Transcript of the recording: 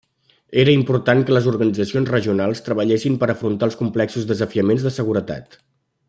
Eta important que les organitzacions regionals treballessin per afrontar els complexos desafiaments de seguretat.